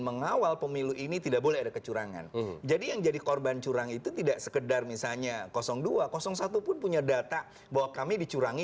mengawal pemilu ini tidak boleh ada kecurangan jadi yang jadi korban curang itu tidak sekedar